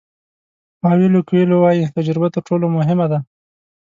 پاویلو کویلو وایي تجربه تر ټولو مهمه ده.